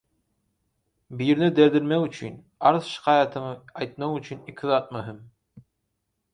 Birine derdinmek üçin, arz-şikaýatyňy aýtmak üçin iki zat möhüm.